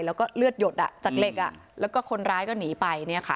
แล้วก็เลือดหยดจากเหล็กแล้วก็คนร้ายก็หนีไป